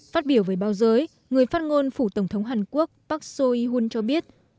phát biểu với báo giới người phát ngôn phủ tổng thống hàn quốc park so hee hun cho biết